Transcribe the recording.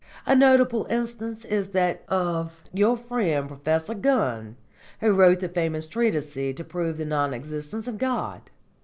A notable instance is that of your friend Professor Gunn, who wrote the famous treatise to prove the non existence of God.